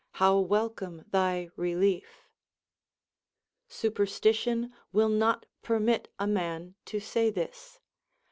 how welcome tliy relief! * Superstition will not permit a man to say this.